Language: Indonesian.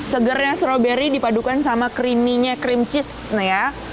segarnya strawberry dipadukan sama creaminess cream cheese